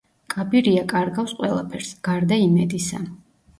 კაბირია კარგავს ყველაფერს, გარდა იმედისა.